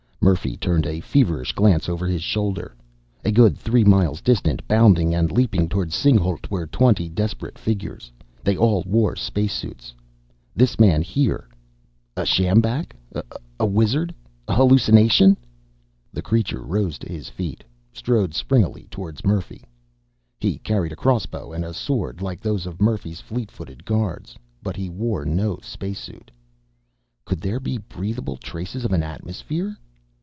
Murphy turned a feverish glance over his shoulder. A good three miles distant, bounding and leaping toward Singhalût, were twenty desperate figures. They all wore space suits. This man here ... A sjambak? A wizard? A hallucination? The creature rose to his feet, strode springily toward Murphy. He carried a crossbow and a sword, like those of Murphy's fleet footed guards. But he wore no space suit. Could there be breathable traces of an atmosphere?